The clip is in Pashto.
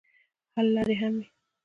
حل لارې هم وي.